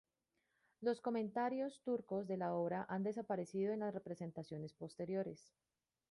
Los comentarios turcos de la obra han desaparecido en las representaciones posteriores.